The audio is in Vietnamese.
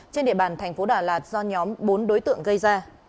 trên địa bàn tp hcm do nhóm bốn đối tượng